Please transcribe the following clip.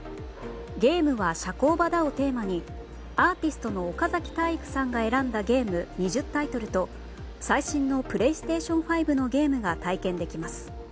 「ゲームは、社交場だ。」をテーマにアーティストの岡崎体育さんが選んだゲーム２０タイトルと最新のプレイステーション５のゲームが体験できます。